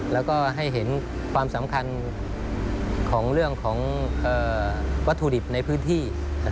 แล้วก็ให้เห็นความสำคัญของเรื่องของวัตถุดิบในพื้นที่